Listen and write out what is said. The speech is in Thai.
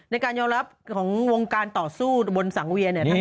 ในการยอมรับของวงการต่อสู้บนสังเวียน